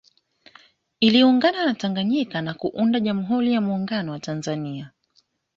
Iliungana na Tanganyika na kuunda Jamhuri ya Muungano wa Tanzania